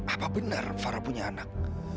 apa benar farah punya anak